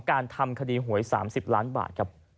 การทำคดีหวย๓๐ล้านบาทครับ